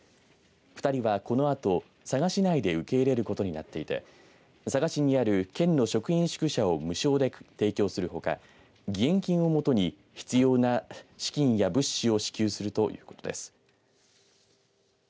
２人は、このあと佐賀市内で受け入れることになっていて佐賀市にある県の職員宿舎を無償で提供するほか義援金をもとに必要な資金や物資を支給するということです。